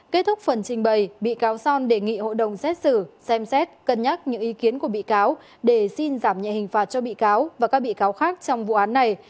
kết thúc phần trình bày bị cáo son đề nghị hội đồng xét xử xem xét cân nhắc những ý kiến của bị cáo để xin giảm nhẹ hình phạt cho bị cáo và các bị cáo khác trong vụ án này